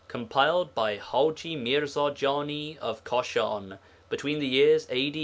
Compiled by Hájji Mírzá Jání of Káshán between the years A.D.